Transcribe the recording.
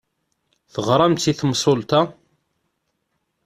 Teɣramt i temsulta?